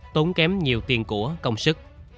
tốn kém nhiều tiền của công sức